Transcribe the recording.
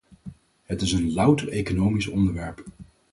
Het is een louter economisch onderwerp.